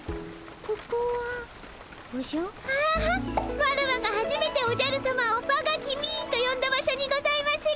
ワラワがはじめておじゃるさまを「わが君」とよんだ場所にございまする！